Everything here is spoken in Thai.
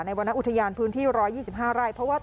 ในวรรณอุทยานพื้นที่๑๒๕ไร่